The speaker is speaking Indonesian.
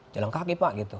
jalan kaki pak gitu